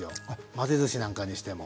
混ぜずしなんかにしても。